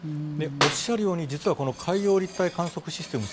おっしゃるように実は、海洋立体観測システム